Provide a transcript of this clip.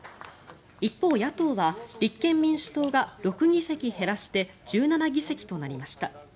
一方、野党は立憲民主党が６議席減らして１７議席となりました。